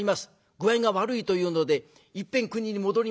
具合が悪いというのでいっぺん国に戻ります。